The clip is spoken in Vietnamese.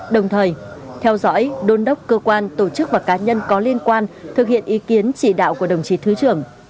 đồng thời theo dõi đôn đốc cơ quan tổ chức và cá nhân có liên quan thực hiện ý kiến chỉ đạo của đồng chí thứ trưởng